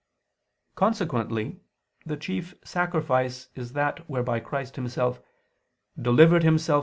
Consequently the chief sacrifice is that whereby Christ Himself "delivered Himself